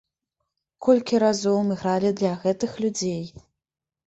Колькі разоў мы гралі для гэтых людзей!